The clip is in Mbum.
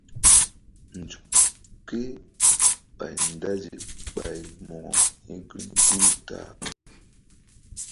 Nzuk ké ɓay ndazi ɓay Mo̧ko hi̧ gahru ye ta-a.